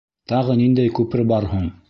— Тағы ниндәй күпер бар һуң?